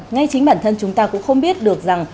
ngay chính bản thân chúng ta cũng không biết được rằng